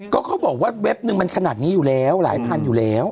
ก็เขาบอกว่าเว็บนึงมันขนาดนี้อยู่แล้วหลายพันอยู่แล้ว